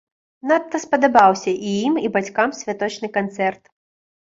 Надта спадабаўся і ім, і бацькам святочны канцэрт.